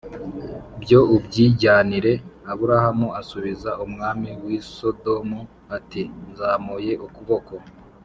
Byo ubyijyanire aburamu asubiza umwami w i sodomu ati nzamuye ukuboko